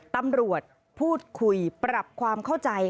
ตำรวจพูดคุยปรับความเข้าใจ